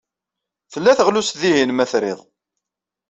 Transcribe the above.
Tella teɣlust dihin, ma trid.